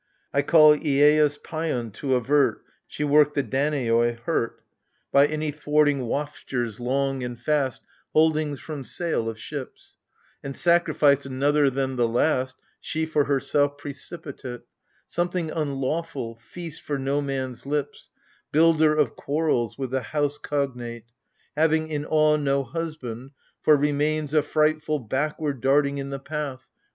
I call leios Paian to avert She work the Danaoi hurt 14 AGAMEMNON. By any thwarting waftures, long and fast Holdings from sail of ships : And sacrifice, another than the last, She for herself precipitate — Something unlawful, feast for no man's lips, Builder of quarrels, with the House cognate — Having in awe no husband : for remains A frightful, backward darting in the path.